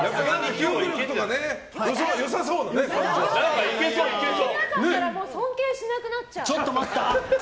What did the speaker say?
記憶力良くなかったら尊敬しなくなっちゃう。